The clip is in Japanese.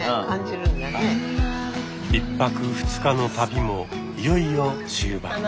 １泊２日の旅もいよいよ終盤。